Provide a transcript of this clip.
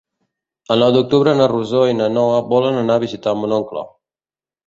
El nou d'octubre na Rosó i na Noa volen anar a visitar mon oncle.